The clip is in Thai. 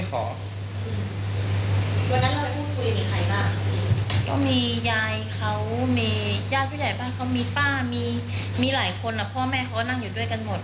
ก็มียายเขามีญาติผู้ใหญ่บ้านเขามีป้ามีหลายคนพ่อแม่เขานั่งอยู่ด้วยกันหมด